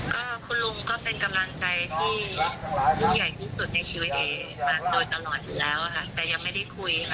ก็คุณลุงก็เป็นกำลังใจที่ยิ่งใหญ่ที่สุดในชีวิตเอมาโดยตลอดอยู่แล้วค่ะแต่ยังไม่ได้คุยค่ะ